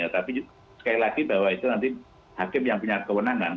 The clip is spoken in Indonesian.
tapi sekali lagi bahwa itu nanti hakim yang punya kewenangan